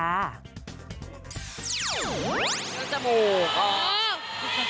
แล้วจมูกออก